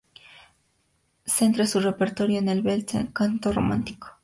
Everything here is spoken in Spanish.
Centra su repertorio en el bel canto romántico.